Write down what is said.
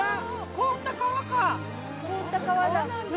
凍った川だ。